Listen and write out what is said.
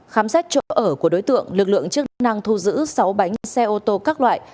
khám xét chỗ ở của đối tượng lực lượng chức năng thu giữ sáu bánh xe ô tô các loại